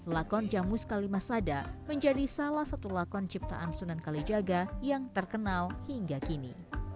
lakon jamus kalimasada menjadi salah satu lakon ciptaan sunan kalijaga yang terkenal hingga kini